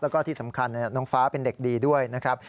แล้วก็ที่สำคัญน้องฟ้าเป็นเด็กดีด้วยนะครับ